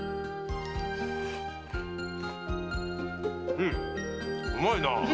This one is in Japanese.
うんうまいな！